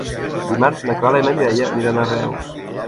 Dimarts na Clara i na Mireia aniran a Reus.